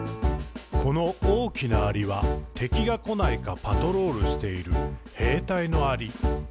「この大きなアリは、敵がこないか、パトロールしている兵隊のアリ。」